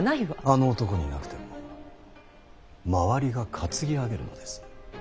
あの男になくても周りが担ぎ上げるのです。